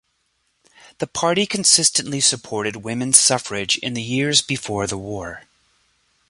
The party consistently supported women's suffrage in the years before the war.